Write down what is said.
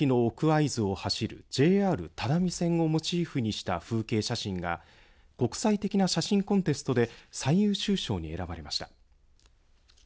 会津を走るＪＲ只見線をモチーフにした風景写真が国際的な写真コンテストで最優秀賞に選ばれました。